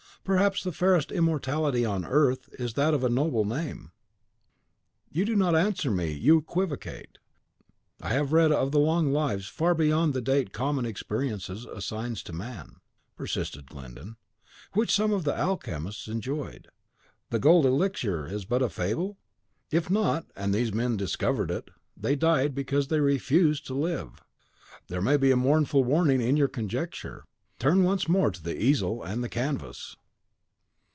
Perhaps the fairest immortality on earth is that of a noble name." "You do not answer me, you equivocate. I have read of the long lives far beyond the date common experience assigns to man," persisted Glyndon, "which some of the alchemists enjoyed. Is the golden elixir but a fable?" "If not, and these men discovered it, they died, because they refused to live! There may be a mournful warning in your conjecture. Turn once more to the easel and the canvas!"